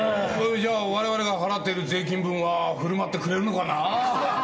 じゃあ我々が払っている税金分は振る舞ってくれるのかな？